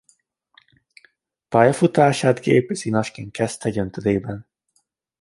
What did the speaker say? Pályafutását gépész-inasként kezdte egy öntödében.